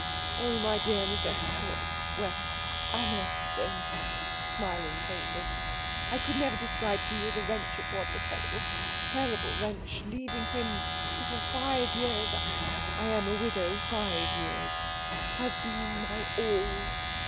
Oh, my dear Miss Estcourt well, Anna then" smiling faintly "I could never describe to you the wrench it was, the terrible, terrible wrench, leaving him who for five years I am a widow five years has been my all."